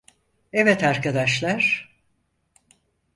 Evet arkadaşlar…